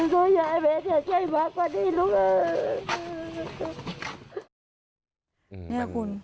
ดูอย่าแม่จะช่วยมากกว่านี้ลูก